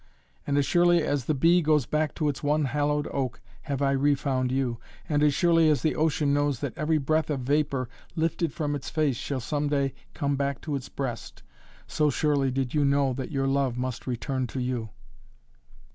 And as surely as the bee goes back to its one hallowed oak have I refound you. And as surely as the ocean knows that every breath of vapor lifted from its face shall some day come back to its breast, so surely did you know that your love must return to you."